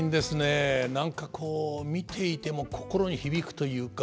何かこう見ていても心に響くというか。